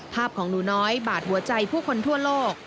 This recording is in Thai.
ของหนูน้อยบาดหัวใจผู้คนทั่วโลก